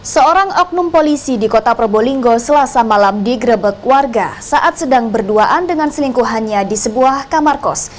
seorang oknum polisi di kota probolinggo selasa malam digrebek warga saat sedang berduaan dengan selingkuhannya di sebuah kamar kos